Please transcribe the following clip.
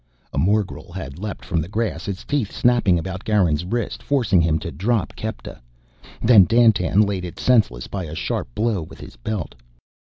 A morgel had leaped from the grass, its teeth snapping about Garin's wrist, forcing him to drop Kepta. Then Dandtan laid it senseless by a sharp blow with his belt.